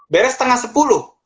beres setengah sepuluh